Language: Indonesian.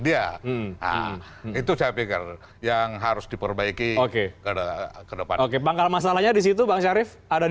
dia itu saya pikir yang harus diperbaiki oke kedepan oke pangkal masalahnya disitu bang syarif ada di